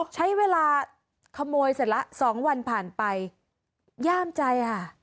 ใช้เวลาขโมยเสร็จละ๒วันผ่านไปย่ามใจค่ะ